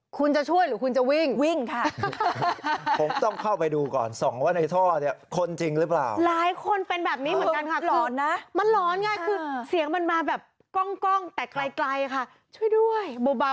คุณจะช่วยหรือวิ่งหรือวิ่งด่ะ